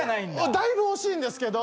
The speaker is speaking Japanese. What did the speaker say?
だいぶ惜しいんですけど。